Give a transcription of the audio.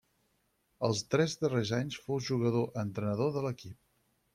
Els tres darrers anys fou jugador-entrenador de l'equip.